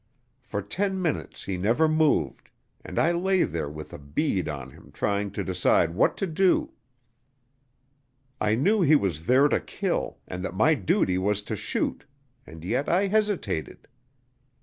For ten minutes he never moved, and I lay there with a bead on him trying to decide what to do. I knew he was there to kill, and that my duty was to shoot, and yet I hesitated.